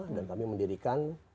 dan kami mendirikan